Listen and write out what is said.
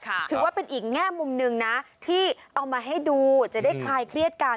ถือว่าเป็นอีกแง่มุมหนึ่งนะที่เอามาให้ดูจะได้คลายเครียดกัน